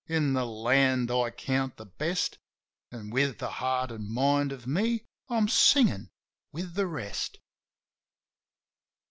in the land I count the best. An' with the heart an' mind of me I'm singin' with the rest.